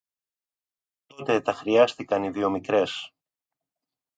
Τότε τα χρειάστηκαν οι δυο μικρές